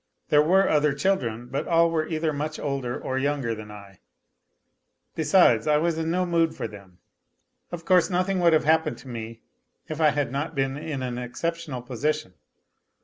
There were other children, but all were either much older or younger than I; be sides, I was in no mood for them. Of course nothing would have happened to me if I had not been in an exceptional position.